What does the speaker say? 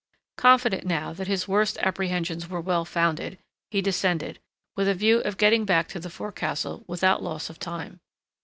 Confident, now, that his worst apprehensions were well founded, he descended, with a view of getting back to the forecastle without loss of time.